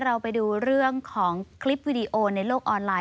เราไปดูเรื่องของคลิปวิดีโอในโลกออนไลน